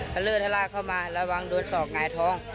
ทะเล่อทะล่าเข้ามาระวังโดนสอบไงท้อง